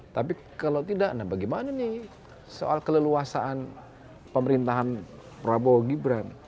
tapi kalau tidak nah bagaimana nih soal keleluasaan pemerintahan prabowo gibran